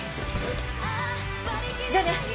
じゃあね！